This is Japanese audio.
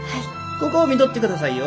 ここ見とってくださいよ。